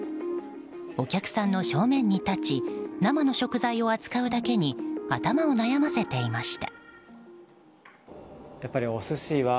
お客さんの正面に立ち生の食材を扱うだけに頭を悩ませていました。